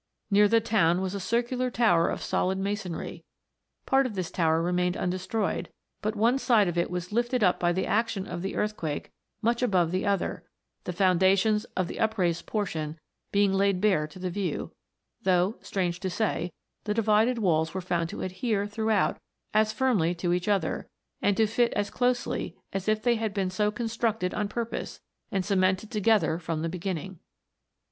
Near the town was a circular tower of solid masonry ; part of this tower remained uude stroyed, but one side of it was lifted up by the action of the earthquake much above the other, the foundations of the upraised portion being laid bare to the view ; though, strange to say, the divided walls were found to adhere throughout as firmly to each other, and to fit as closely, as if they had been so constructed on purpose, and cemented together from the beginning.